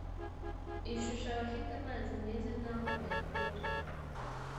Ishusho abafite amazi meza n aho bayakura